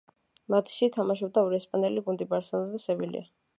მატჩში თამაშობდა ორი ესპანური გუნდი „ბარსელონა“ და „სევილია“.